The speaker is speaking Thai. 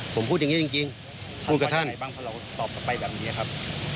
ทำไปยังไงบ้างเพราะเราตอบไปแบบนี้ครับ